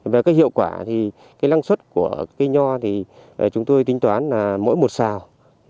về cái hiệu quả thì cái lăng suất của cây nho thì chúng tôi tính toán là mỗi một xào